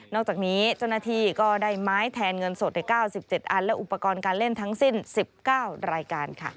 จากนี้เจ้าหน้าที่ก็ได้ไม้แทนเงินสดใน๙๗อันและอุปกรณ์การเล่นทั้งสิ้น๑๙รายการค่ะ